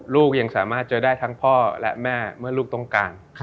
ลูกยังสามารถเจอได้ทั้งพ่อและแม่เมื่อลูกต้องการ